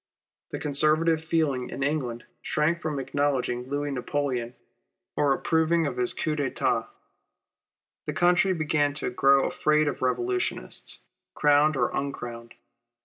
The Conservative feeling in England shrank from acknowledging I ouis Napoleon or approving of his coup d'etat. The country began to grow afraid of revolutionists, crowned or" uncrowned.